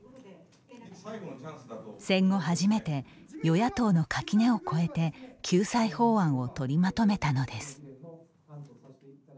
戦後初めて与野党の垣根を越えて救済法案を取りまとめたのです。